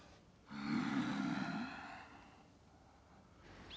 うん。